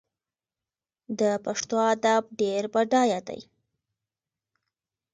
د پښتو ادب ډېر بډایه دی.